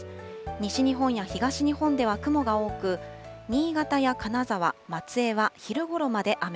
西日本や東日本では雲が多く、新潟や金沢、松江は昼ごろまで雨。